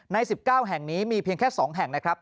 ๑๙แห่งนี้มีเพียงแค่๒แห่งนะครับ